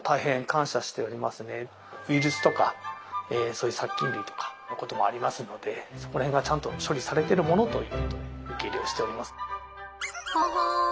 ウイルスとかそういう殺菌類とかのこともありますのでそこら辺がちゃんと処理されてるものということで受け入れをしております。